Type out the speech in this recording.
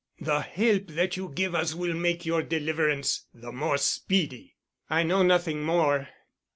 The help that you give us will make your deliverance the more speedy." "I know nothing more."